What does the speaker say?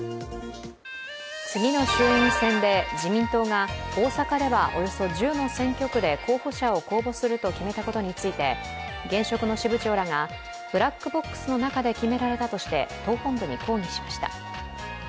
次の衆院選で自民党が大阪ではおよそ１０の選挙区で候補者を公募すると決めたことについて現職の支部長らがブラックボックスの中で決められたとして党本部に抗議しました。